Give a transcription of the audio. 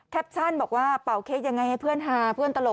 ชั่นบอกว่าเป่าเค้กยังไงให้เพื่อนฮาเพื่อนตลก